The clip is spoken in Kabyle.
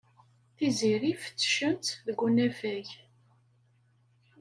Tiziri fettcen-tt deg unafag.